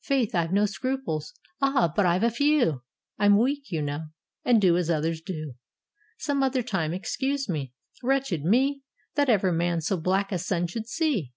"Faith, I've no scruples." "Ah! but I've a few: I'm weak, you know, and do as others do: Some other time: excuse me." Wretched me! That ever man so black a sun should see